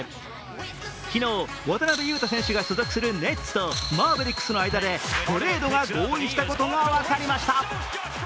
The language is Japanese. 昨日、渡邊雄太選手が所属するネッツとマーベリックスの間でトレードが合意したことが分かりました。